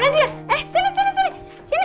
mana dia eh sini sini sini